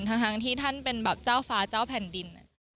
ทั้งที่ท่านเป็นแบบเจ้าฟ้าเจ้าแผ่นดิน